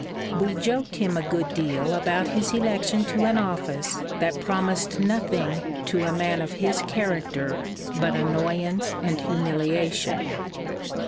We joked him a good deal about his election to an office that promised nothing to a man of his character but annoyance and humiliation.